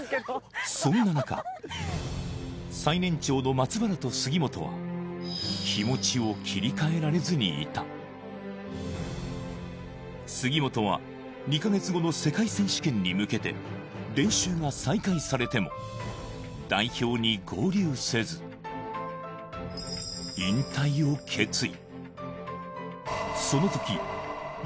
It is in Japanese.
そんな中最年長の松原と杉本は気持ちを切り替えられずにいた杉本は２か月後の世界選手権に向けて練習が再開されても代表に合流せず引退を決意